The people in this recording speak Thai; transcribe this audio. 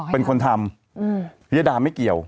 เป็นคนบอกให้ทำอืมพิญญาดาไม่เกี่ยว